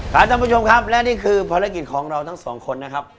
ท่านผู้ชมครับและนี่คือภารกิจของเราทั้งสองคนนะครับ